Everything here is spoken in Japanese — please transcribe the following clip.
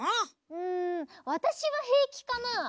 うんわたしはへいきかなあ。